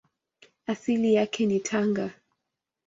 Asili yake ni Tanga.